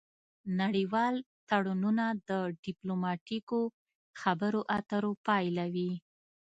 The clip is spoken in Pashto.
نړیوال تړونونه د ډیپلوماتیکو خبرو اترو پایله وي